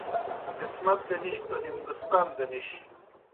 قسمت دہ نِش توْ ہندوستان دہ نِش